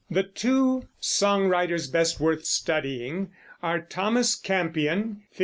The two song writers best worth studying are Thomas Campion (1567?